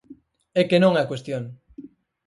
É que non é a cuestión.